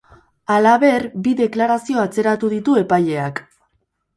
Halaber, bi deklarazio atzeratu ditu epaileak.